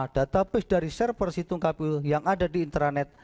database dari server situng kpu yang ada di internet